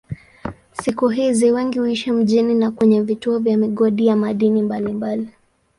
Siku hizi wengi huishi mjini na kwenye vituo vya migodi ya madini mbalimbali.